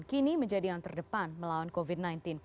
kini menjadi yang terdepan melawan covid sembilan belas